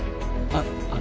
あっ。